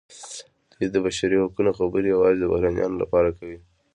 دوی د بشري حقونو خبرې یوازې د بهرنیانو لپاره کوي.